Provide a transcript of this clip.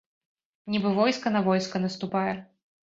Нібы войска на войска наступае.